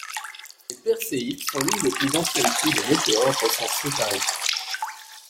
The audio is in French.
Les Perséides sont l'une des plus anciennes pluies de météores recensées par écrit.